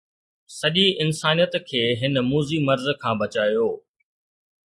سڄي انسانيت کي هن موذي مرض کان بچايو